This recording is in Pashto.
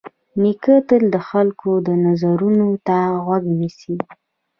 نیکه تل د خلکو د نظرونو ته غوږ نیسي.